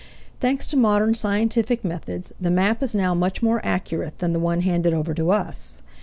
Thanks to modern scientific methods, the map is now much more accurate than the one handed over to us.